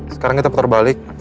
sekarang kita putar balik